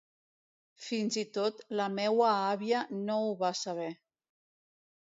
Fins i tot, la meua àvia no ho va saber.